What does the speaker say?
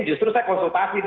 justru saya konsultasi